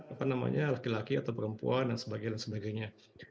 apa namanya laki laki atau perempuan dan sebagainya